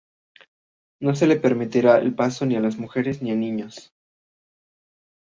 No se le permitirá el paso ni a mujeres ni a niños.